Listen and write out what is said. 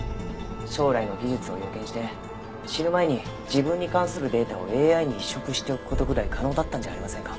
将来の技術を予見して死ぬ前に自分に関するデータをＡＩに移植しておく事ぐらい可能だったんじゃありませんか？